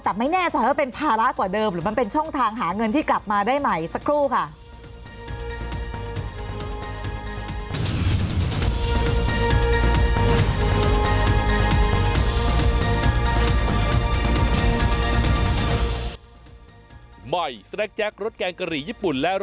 แต่ไม่แน่ใจว่าเป็นภาระกว่าเดิมหรือมันเป็นช่องทางหาเงินที่กลับมาได้ใหม่สักครู่ค่ะ